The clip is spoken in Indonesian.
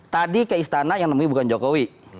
tadi ke istana yang nemuin bukan jokowi